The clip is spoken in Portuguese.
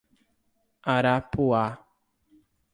Arapuá